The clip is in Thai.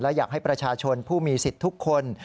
และอยากให้ประชาชนผู้มีสิทธิ์ทุกคน